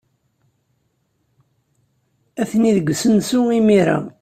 Atni deg usensu imir-a.